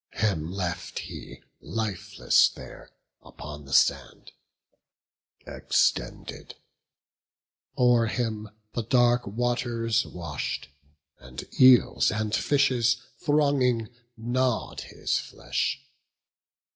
Him left he lifeless there upon the sand Extended; o'er him the dark waters wash'd, And eels and fishes, thronging, gnaw'd his flesh.